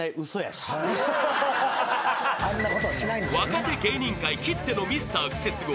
［若手芸人界きってのミスタークセスゴ］